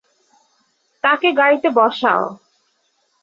তাকে গাড়িতে বসাও।